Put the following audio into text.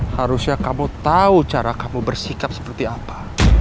harusnya kamu tahu cara kamu bersikap seperti apa